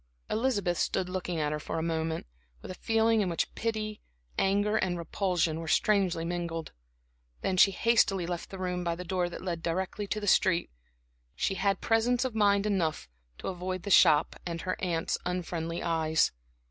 Elizabeth stood looking at her for a moment, with a feeling in which pity, anger and repulsion were strangely mingled; then she hastily left the room by the door that led directly to the street. She had presence of mind enough to avoid the shop and her aunt's unfriendly eyes.